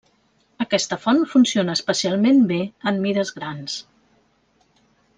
Aquesta font funciona especialment bé en mides grans.